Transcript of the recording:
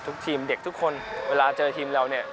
ทีมเด็กทุกคนเวลาเจอทีมเราเนี่ย